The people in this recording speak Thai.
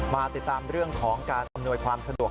มาติดตามเรื่องของการอำนวยความสะดวก